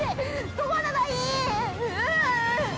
止まらないー。